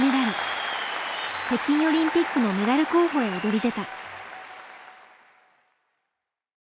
北京オリンピックのメダル候補へ躍り出た。